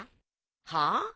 はあ？